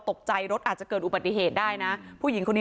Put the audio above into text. ตกใจรถอาจจะเกิดอุบัติเหตุได้นะผู้หญิงคนนี้